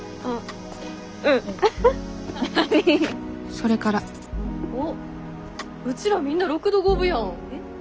それからうちらみんな６度５分やん。